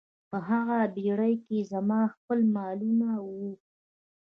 په هغه بیړۍ کې زما خپل مالونه وو.